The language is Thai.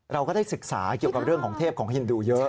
เราก็ได้ศึกษาเกี่ยวกับเรื่องของเทพของฮินดูเยอะ